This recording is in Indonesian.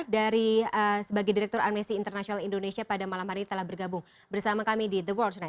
dari sebagai direktur amnesty international indonesia pada malam hari ini telah bergabung bersama kami di the world tonight